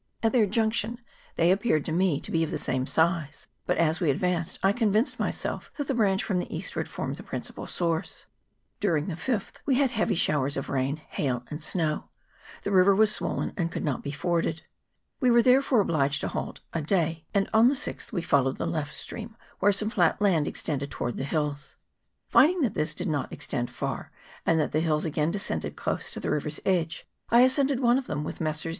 At their junction they appeared to me to be of the same size, but as we advanced I convinced myself that the branch from the eastward formed the principal source. During the 5th we had heavy showers of rain, hail, and snow ; the river was swollen and could not be forded. We were, therefore, obliged to halt a day, and on the 6th we followed the left stream, where some flat land extended towards the hills. Finding that this did not extend far, and that the hills again descended close to the river's edge, I ascended one of them with Messrs.